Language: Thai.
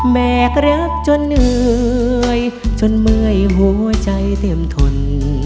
แมกรักจนเหนื่อยจนเมื่อยหัวใจเต็มทน